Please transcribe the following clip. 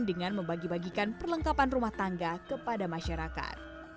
dengan membagi bagikan perlengkapan rumah tangga kepada masyarakat